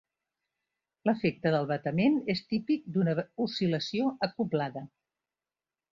L'efecte del batement és típic d'una oscil·lació acoblada.